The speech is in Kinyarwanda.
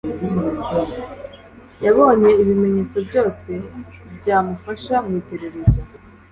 yabonye ibimenyetso byose bya mufasha mu iperereza